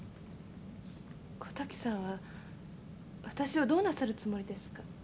小滝さんは私をどうなさるつもりですか？